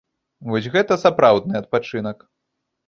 Вось гэта сапраўдны адпачынак!